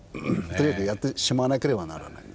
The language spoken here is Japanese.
とにかくやってしまわなければならない。